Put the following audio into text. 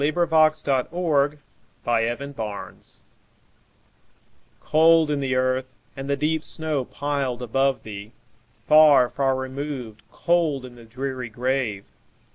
Emily Brontë Remembrance COLD in the earth, and the deep snow piled above thee! Far, far removed, cold in the dreary grave!